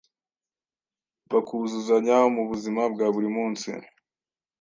bakuzuzanya mu buzima bwa buri munsi